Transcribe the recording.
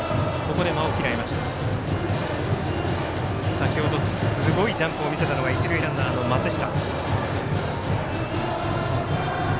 先ほどすごいジャンプを見せたのは一塁ランナーの松下。